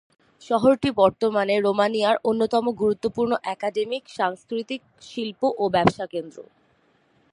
শহরটি বর্তমানে রোমানিয়ার অন্যতম গুরুত্বপূর্ণ একাডেমিক, সাংস্কৃতিক, শিল্প ও ব্যবসা কেন্দ্র।